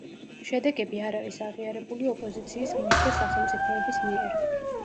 შედეგები არ არის აღიარებული ოპოზიციის მომხრე სახელმწიფოების მიერ.